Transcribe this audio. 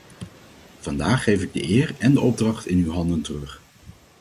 Vandaag geef ik de eer en de opdracht in uw handen terug.